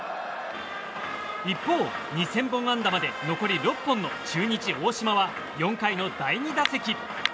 一方、２０００本安打まで残り６本の中日、大島は４回の第２打席。